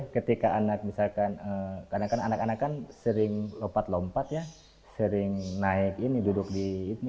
ketika anak anak sering lompat lompat sering naik ini duduk di ini